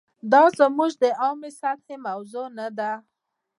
دا زموږ د عامه سطحې موضوعات نه دي.